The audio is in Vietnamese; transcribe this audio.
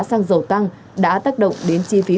sang dầu tăng đã tác động đến chi phí